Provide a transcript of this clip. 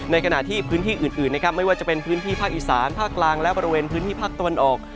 ขณะที่พื้นที่อื่นนะครับไม่ว่าจะเป็นพื้นที่ภาคอีสานภาคกลางและบริเวณพื้นที่ภาคตะวันออก